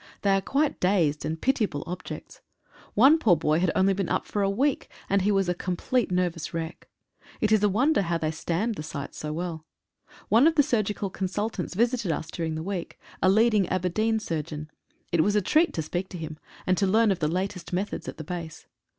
They are quite dazed, and pitiable objects. One poor boy had only been up for a week, and he was a complete nervous wreck. It is a wonder how they stand the sights so well. One of the surgical consultants visited us during the week — a leading Aberdeen surgeon. It was a treat to speak to him, and to learn of the latest methods at the base.